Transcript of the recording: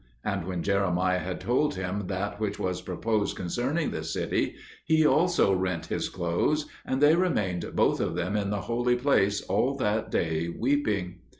And when Jeremiah had told him that which was proposed concerning the city, he also rent his clothes; and they remained both of them in the holy place all that day weeping.